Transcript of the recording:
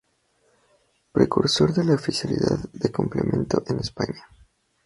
Precursor de la Oficialidad de Complemento en España.